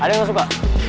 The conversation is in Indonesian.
ada yang gak suka